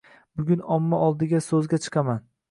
Bugun omma oldiga so'zga chiqaman.